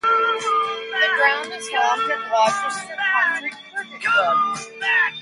The ground is home to Gloucestershire County Cricket Club.